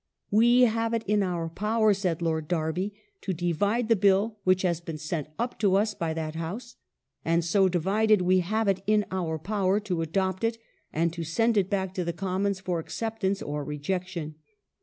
" We have it in our power," said Lord Derby, " to divide the Bill which has been sent up to us by that House ; and so divided we have it in our power to adopt it, and to send it back to the Commons for acceptance or rejection."